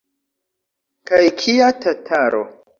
Kaj kia tataro!